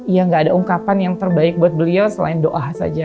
ya gak ada ungkapan yang terbaik buat beliau selain doa saja